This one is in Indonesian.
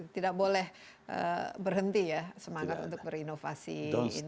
tidak boleh berhenti ya semangat untuk berinovasi